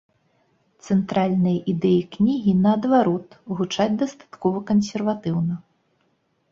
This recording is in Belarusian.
Цэнтральныя ідэі кнігі, наадварот, гучаць дастаткова кансерватыўна.